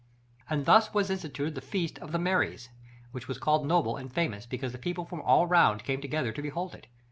And thus was instituted the Feast of the Maries, which was called noble and famous because the people from all round came together to behold it.